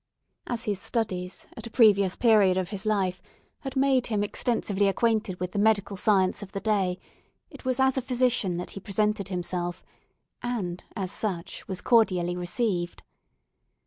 As his studies, at a previous period of his life, had made him extensively acquainted with the medical science of the day, it was as a physician that he presented himself and as such was cordially received.